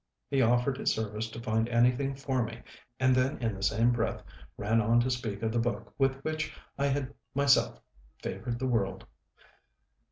He offered his services to find anything for me, and then in the same breath ran on to speak of the book with which I had myself "favored the world"!